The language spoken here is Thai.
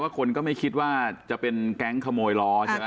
คนก็ไม่คิดว่าจะเป็นแก๊งขโมยล้อใช่ไหม